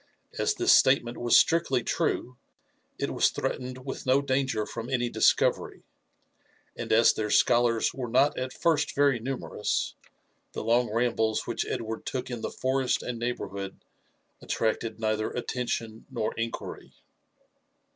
As this statement was strictly true, it was threatened with no danger from any discovery ; and as their scholars were not at first very numerous^ the long rambles which Edward took in the forest and neighbourhood attracted neither attention nor inquiry.